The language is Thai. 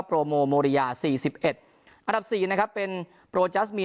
ก็ยังเป็นปรอ